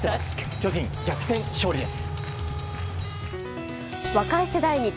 巨人、逆転勝利です。